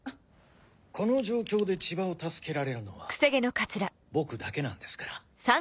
この状況で千葉を助けられるのは僕だけなんですから。